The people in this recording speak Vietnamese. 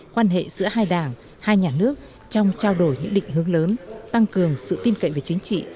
quan hệ giữa hai đảng hai nhà nước trong trao đổi những định hướng lớn tăng cường sự tin cậy về chính trị